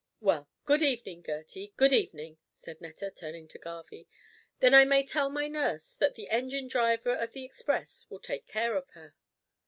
"Well, good evening, Gertie, good evening," said Netta, turning to Garvie; "then I may tell my nurse that the engine driver of the express will take care of her."